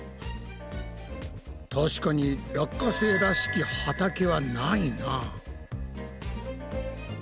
確かに落花生らしき畑はないな。